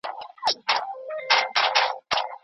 خپل هدف به د سترګو په وړاندي ساتئ.